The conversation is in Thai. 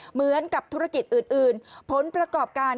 เหมือนกับธุรกิจอื่นผลประกอบการ